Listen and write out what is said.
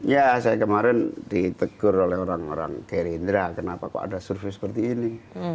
ya saya kemarin ditegur oleh orang orang gerindra kenapa kok ada survei seperti ini